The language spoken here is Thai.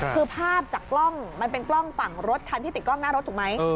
คือภาพจากกล้องมันเป็นกล้องฝั่งรถคันที่ติดกล้องหน้ารถถูกไหม